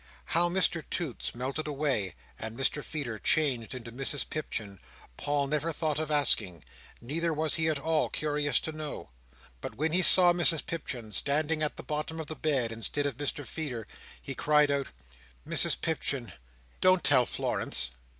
How Mr Toots melted away, and Mr Feeder changed into Mrs Pipchin, Paul never thought of asking; neither was he at all curious to know; but when he saw Mrs Pipchin standing at the bottom of the bed, instead of Mr Feeder, he cried out, "Mrs Pipchin, don't tell Florence!"